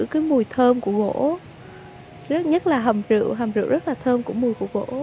cái mùi thơm của gỗ nhất nhất là hầm rượu hầm rượu rất là thơm của mùi của gỗ